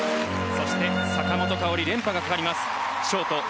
そして、坂本花織連覇がかかります。